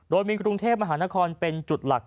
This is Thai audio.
โดยมีกรุงเทพมหานครเป็นจุดหลัก